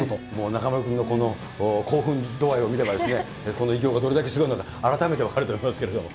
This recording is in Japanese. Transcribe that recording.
中丸君のこの興奮度合いを見れば、この偉業がどれだけすごいのか、改めて分かると思いますけれども。